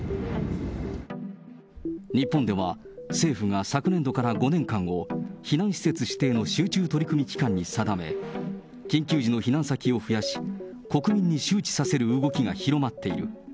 日本では政府が昨年度から５年間を、避難施設指定の集中取り組み期間に定め、緊急時の避難先を増やし、国民に周知させる動きが広まっている。